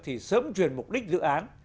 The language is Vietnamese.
thì sớm truyền mục đích dự án